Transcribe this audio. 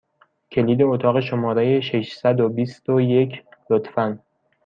کلید اتاق شماره ششصد و بیست و یک، لطفا!